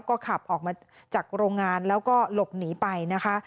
ก็ขับออกมาจากโรงงานแล้วก็หลบหนีไปนะคะ